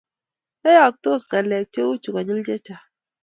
yayagistos ngalek cheuchu konyil chachang